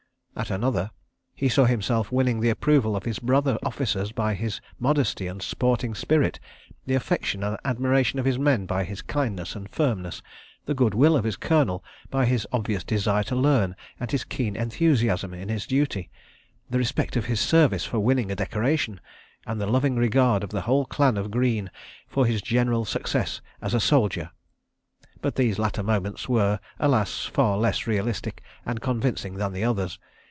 At another, he saw himself winning the approval of his brother officers by his modesty and sporting spirit, the affection and admiration of his men by his kindness and firmness, the good will of his Colonel by his obvious desire to learn and his keen enthusiasm in his duty, the respect of his Service for winning a decoration, and the loving regard of the whole clan of Greene for his general success as a soldier. But these latter moments were, alas, far less realistic and convincing than the others.